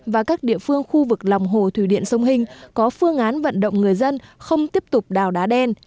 và các địa phương khu vực lòng hồ thủy điện sông hình có phương án vận động người dân không tiếp tục đào đá đen